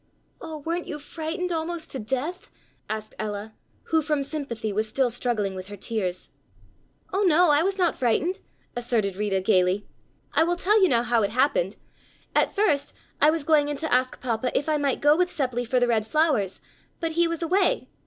"Oh, weren't you frightened almost to death?" asked Ella, who from sympathy was still struggling with her tears. "Oh no, I was not frightened," asserted Rita gayly. "I will tell you now how it happened. At first I was going in to ask Papa if I might go with Seppli for the red flowers, but he was away.